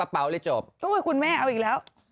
ไปล่อจอละเข้ว้าว